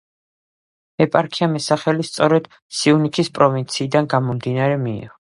ეპარქიამ ეს სახელი სწორედ სიუნიქის პროვინციიდან გამომდინარე მიიღო.